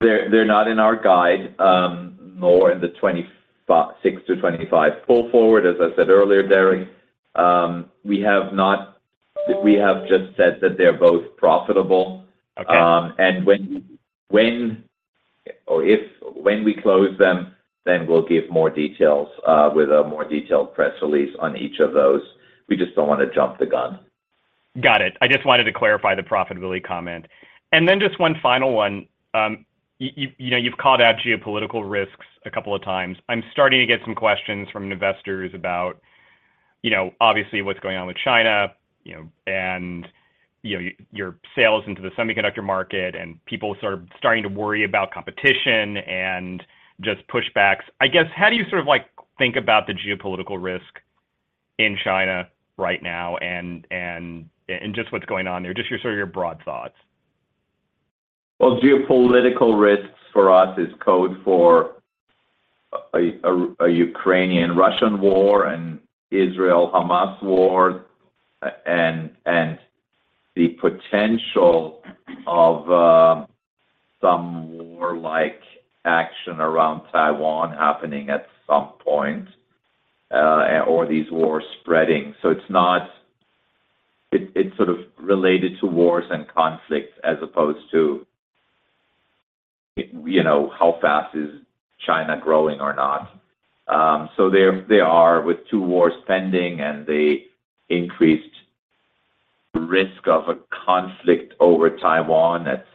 They're not in our guide, nor in the 26 to 25 pull forward. As I said earlier, Derik, we have just said that they're both profitable. Okay. And when or if we close them, then we'll give more details with a more detailed press release on each of those. We just don't want to jump the gun. Got it. I just wanted to clarify the profitability comment. And then just one final one. You know, you've called out geopolitical risks a couple of times. I'm starting to get some questions from investors about, you know, obviously, what's going on with China, you know, and, you know, your sales into the semiconductor market, and people sort of starting to worry about competition and just pushbacks. I guess, how do you sort of, like, think about the geopolitical risk in China right now and just what's going on there? Just your sort of broad thoughts. Well, geopolitical risks for us is code for a Ukrainian-Russian war, and Israel-Hamas war, and the potential of some war-like action around Taiwan happening at some point, or these wars spreading. So it's not. It, it's sort of related to wars and conflicts as opposed to, you know, how fast is China growing or not. So there, there are, with two wars pending and the increased risk of a conflict over Taiwan, that's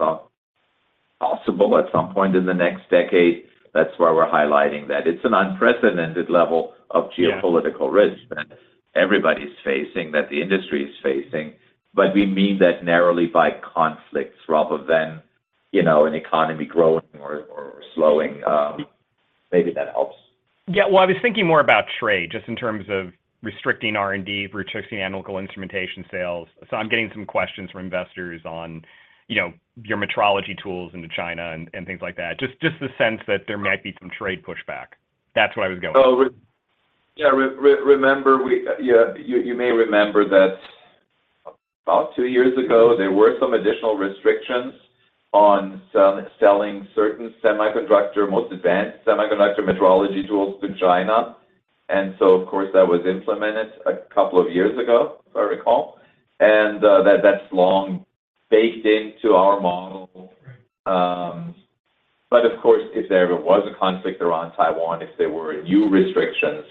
possible at some point in the next decade. That's why we're highlighting that. It's an unprecedented level of- Yeah -geopolitical risk that everybody's facing, that the industry is facing. But we mean that narrowly by conflicts rather than, you know, an economy growing or, or slowing down. Maybe that helps. Yeah. Well, I was thinking more about trade, just in terms of restricting R&D, restricting analytical instrumentation sales. So I'm getting some questions from investors on, you know, your metrology tools into China and things like that. Just the sense that there might be some trade pushback. That's where I was going. Oh, yeah, remember we-- Yeah, you, you may remember that about two years ago, there were some additional restrictions on some selling certain semiconductor, most advanced semiconductor metrology tools to China. And so, of course, that was implemented a couple of years ago, if I recall. And, that, that's long baked into our model. But of course, if there was a conflict around Taiwan, if there were new restrictions,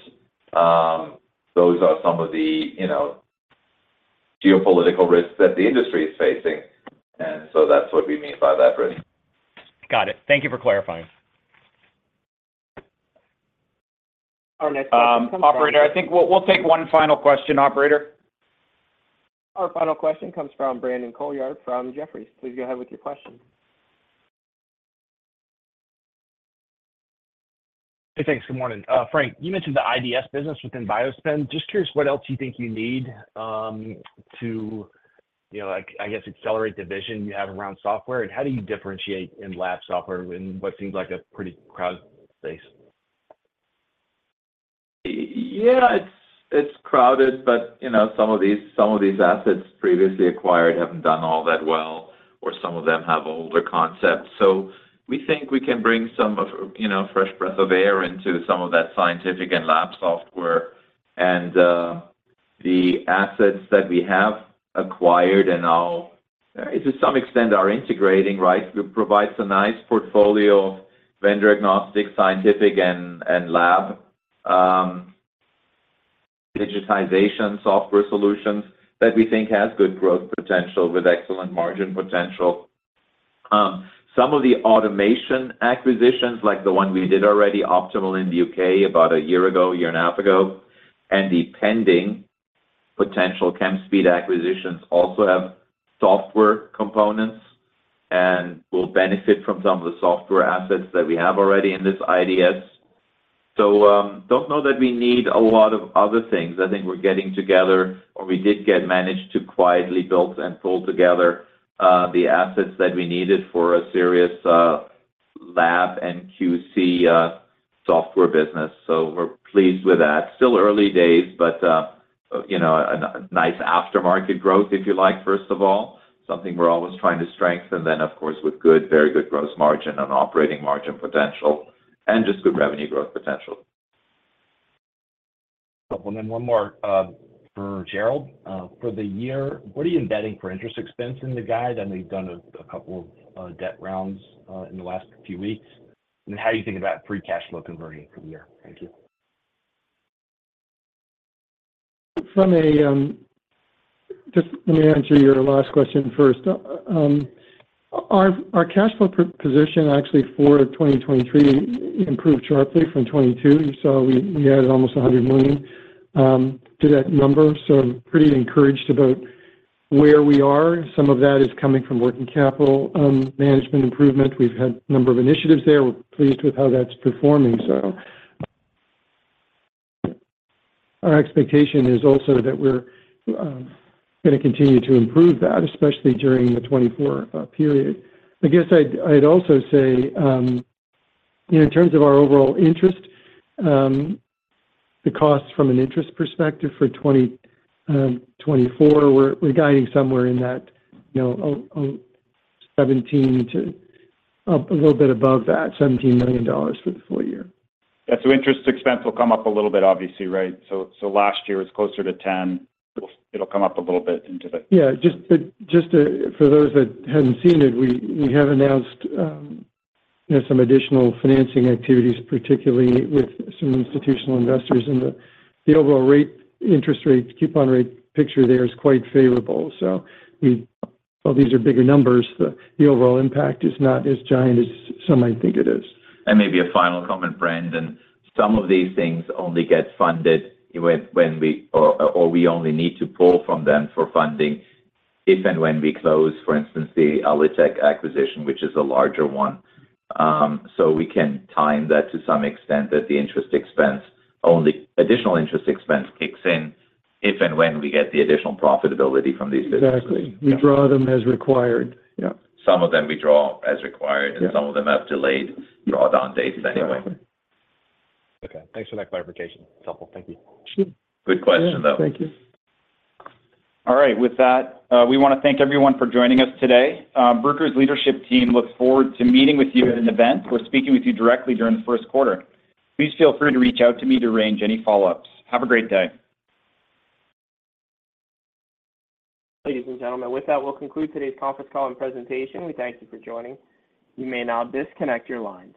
those are some of the, you know, geopolitical risks that the industry is facing, and so that's what we mean by that, broadly. Got it. Thank you for clarifying. Our next question- Operator, I think we'll take one final question, operator. Our final question comes from Brandon Couillard from Jefferies. Please go ahead with your question. Hey, thanks. Good morning. Frank, you mentioned the IDS business within BioSpin. Just curious, what else you think you need, to, you know, like, I guess, accelerate the vision you have around software, and how do you differentiate in lab software in what seems like a pretty crowded space? Yeah, it's crowded, but you know, some of these assets previously acquired haven't done all that well, or some of them have older concepts. So we think we can bring some of, you know, fresh breath of air into some of that scientific and lab software. And the assets that we have acquired, and now, to some extent, are integrating, right? It provides a nice portfolio, vendor-agnostic, scientific and lab digitization software solutions that we think has good growth potential with excellent margin potential. Some of the automation acquisitions, like the one we did already, Optimal in the UK, about a year ago, a year and a half ago, and the pending potential Chemspeed acquisitions, also have software components and will benefit from some of the software assets that we have already in this IDS. So, don't know that we need a lot of other things. I think we're getting together, or we did get managed to quietly build and pull together the assets that we needed for a serious lab and QC software business. So we're pleased with that. Still early days, but you know, a nice aftermarket growth, if you like, first of all, something we're always trying to strengthen. Then, of course, with good, very good gross margin and operating margin potential, and just good revenue growth potential. And then one more for Gerald. For the year, what are you embedding for interest expense in the guide? I know you've done a couple of debt rounds in the last few weeks. And how do you think about free cash flow converting for the year? Thank you. Just let me answer your last question first. Our cash flow position actually for 2023 improved sharply from 2022. So we added almost $100 million to that number. So I'm pretty encouraged about where we are. Some of that is coming from working capital management improvement. We've had a number of initiatives there. We're pleased with how that's performing. So our expectation is also that we're going to continue to improve that, especially during the 2024 period. I guess I'd also say, in terms of our overall interest, the cost from an interest perspective for 2024, we're guiding somewhere in that 17 to up a little bit above that $17 million for the full year. Yeah. So interest expense will come up a little bit, obviously, right? Last year was closer to $10. It'll come up a little bit into the- Yeah, just to—for those that hadn't seen it, we have announced, you know, some additional financing activities, particularly with some institutional investors, and the overall rate, interest rate, coupon rate picture there is quite favorable. So we, while these are bigger numbers, the overall impact is not as giant as some might think it is. And maybe a final comment, Brandon. Some of these things only get funded when we only need to pull from them for funding if and when we close, for instance, the ELITech acquisition, which is a larger one. So we can time that to some extent, that the additional interest expense only kicks in if and when we get the additional profitability from these businesses. Exactly. We draw them as required. Yeah. Some of them we draw as required. Yeah. And some of them have delayed drawdown dates anyway. Okay, thanks for that clarification. It's helpful. Thank you. Good question, though. Thank you. All right. With that, we want to thank everyone for joining us today. Bruker's leadership team looks forward to meeting with you at an event or speaking with you directly during the first quarter. Please feel free to reach out to me to arrange any follow-ups. Have a great day. Ladies and gentlemen, with that, we'll conclude today's conference call and presentation. We thank you for joining. You may now disconnect your lines.